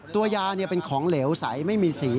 ตัวยาเป็นของเหลวใสไม่มีสี